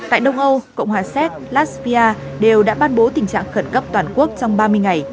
tại đông âu cộng hòa séc laspia đều đã ban bố tình trạng khẩn cấp toàn quốc trong ba mươi ngày